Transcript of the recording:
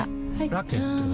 ラケットは？